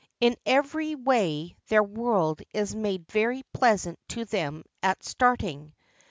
In every way their world is made very pleasant to them at starting.